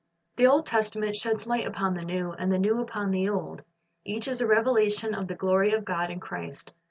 The Old Testament sheds light upon the New, and the New upon the Old. Each is a revelation of the glory of God in Christ.